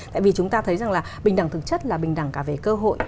tại vì chúng ta thấy rằng là bình đẳng thực chất là bình đẳng cả về cơ hội